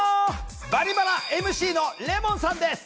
「バリバラ」ＭＣのレモンさんです。